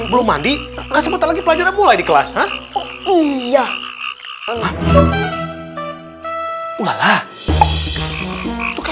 belum mandi nggak sempet lagi pelajaran mulai di kelas iya